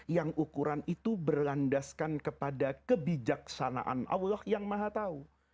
yang ukuran itu berlandaskan kepada kebijaksanaan allah yang maha tahu